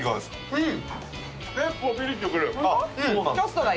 うん！